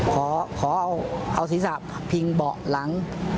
ขอเอาศีรษะพิงเบาะหลัง